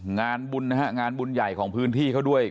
งานบุญนะฮะงานบุญใหญ่ของพื้นที่เขาด้วย